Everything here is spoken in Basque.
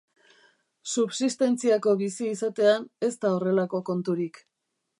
Subsistentziako bizi izatean, ez da horrelako konturik.